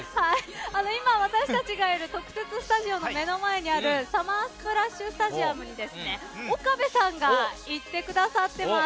今、私たちがいる特設スタジオの目の前にあるＳＵＭＭＥＲＳＰＬＡＳＨスタジアムに岡部さんが行ってくださっています。